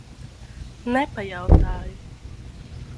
Nepajautāju.